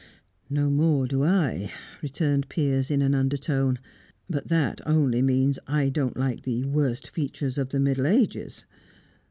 "No more do I," returned Piers, in an undertone. "But that only means, I don't like the worst features of the Middle ages.